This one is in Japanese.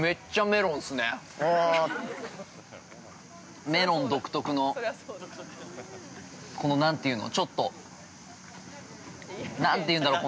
メロン独特の、この何というのちょっとなんて言うんだろう。